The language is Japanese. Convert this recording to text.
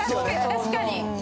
確かに。